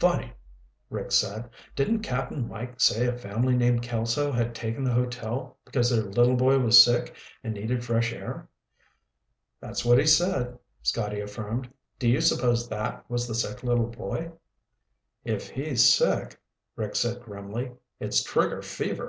"Funny," Rick said. "Didn't Cap'n Mike say a family named Kelso had taken the hotel because their little boy was sick and needed fresh air?" "That's what he said," Scotty affirmed. "Do you suppose that was the sick little boy?" "If he's sick," Rick said grimly, "it's trigger fever.